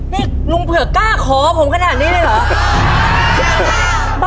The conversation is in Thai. นี่ลุงเผือกกล้าขอผมขนาดนี้เลยเหรอ